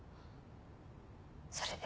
それで。